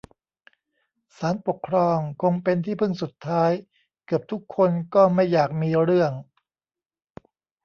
ศาลปกครองคงเป็นที่พึ่งสุดท้าย เกือบทุกคนก็ไม่อยากมีเรื่อง